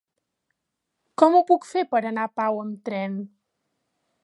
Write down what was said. Com ho puc fer per anar a Pau amb tren?